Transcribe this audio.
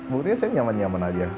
buktinya saya nyaman nyaman aja